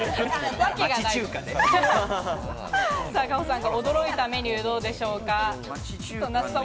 かほさんが驚いたメニューどうでしょうか？